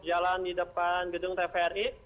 jalan di depan gedung tvri